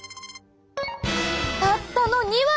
たったの２割！